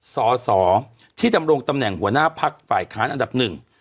สอสอที่ดำรงตำแหน่งหัวหน้าพักฝ่ายค้านอันดับหนึ่ง